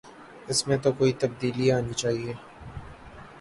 اس میں تو کوئی تبدیلی آنی چاہیے۔